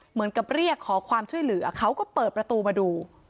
เหมือนกับเรียกขอความช่วยเหลือเขาก็เปิดประตูมาดู